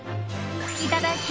いただき！